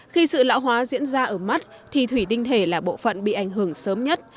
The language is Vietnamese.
khi sự lão hóa diễn ra ở mắt thì thủy tinh thể là bộ phận bị ảnh hưởng sớm nhất